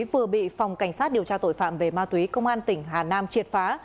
vừa bị phòng cảnh sát điều tra tội phạm về ma túy công an tỉnh hà nam triệt phá